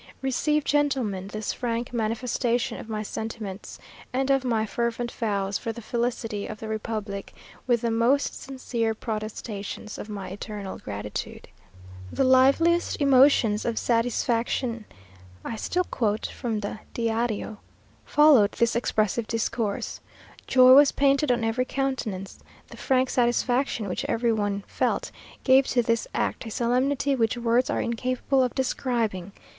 Receive, gentlemen, this frank manifestation of my sentiments, and of my fervent vows for the felicity of the republic, with the most sincere protestations of my eternal gratitude." "The liveliest emotions of satisfaction" (I still quote from the Díario) "followed this expressive discourse. Joy was painted on every countenance. The frank satisfaction which every one felt gave to this act a solemnity which words are incapable of describing.